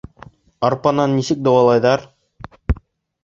«Арпанан» нисек дауалайҙар?